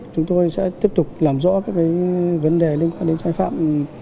chúng tôi sẽ tiếp tục làm rõ các vấn đề liên quan đến sai phạm